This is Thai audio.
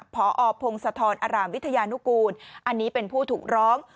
พอพงศธรอรามวิทยานุกูลอันนี้เป็นผู้ถูกร้อง